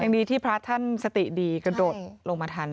ดีที่พระท่านสติดีกระโดดลงมาทัน